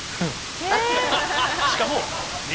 しかも嫌！